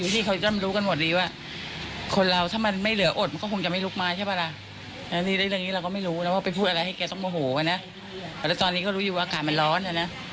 เพราะตอนนี้ก็รู้อยู่ที่วาดอากาศมันร้อนอะนะ